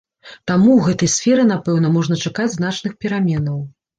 Таму ў гэтай сферы, напэўна, можна чакаць значных пераменаў.